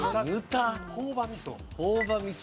朴葉味噌。